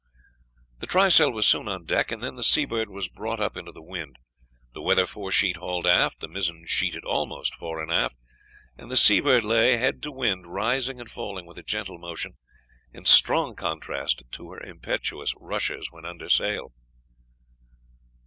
The trysail was soon on deck, and then the Seabird was brought up into the wind, the weather foresheet hauled aft, the mizzen sheeted almost fore and aft, and the Seabird lay, head to wind, rising and falling with a gentle motion, in strong contrast to her impetuous rushes when under sail.